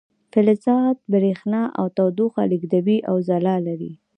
فلزات بریښنا او تودوخه لیږدوي او ځلا لري.